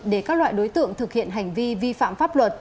để các loại đối tượng thực hiện hành vi vi phạm pháp luật